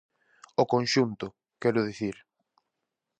O conxunto, quero dicir.